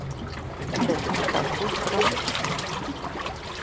Bet nu tas būs process.